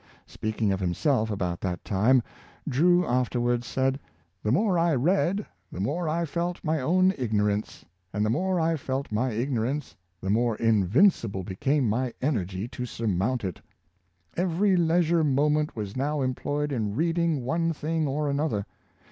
Speaking of himself, about that time, Drew afterwards said, " The more I read, the more I felt my own ignorance; and the more I felt my ignorance, the more invincible became my energy to surmount it. Every leisure moment was now employed in reading one thing or another.